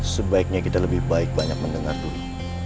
sebaiknya kita lebih baik banyak mendengar dulu